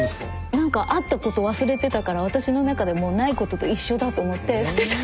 何かあったこと忘れてたから私の中でもうないことと一緒だと思って捨てたの。